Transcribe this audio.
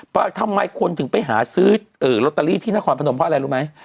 ว่าทำไมคนถึงไปหาซื้อลอตเตอรี่ที่นครพนมเพราะอะไรรู้ไหม